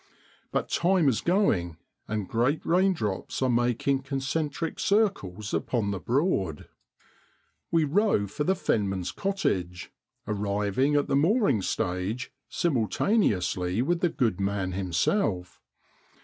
But time is going, and great rain drops are making concentric circles upon the Broad. We row for the fenman's cottage, arriving at the mooring stage simultaneously with the good man himself.